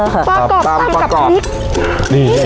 ป๋ากอบตัมจิ็ดไปกับพริก